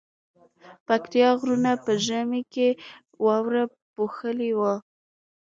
پکتيا غرونه په ژمی کی واورو پوښلي وی